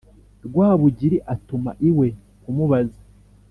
Rwabugili atuma iwe kumubaza